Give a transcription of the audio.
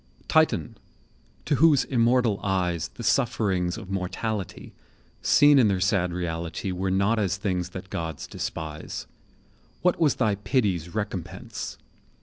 Titan! to whose immortal eyes The sufferings of mortality, Seen in their sad reality, Were not as things that gods despise; What was thy pity's recompense?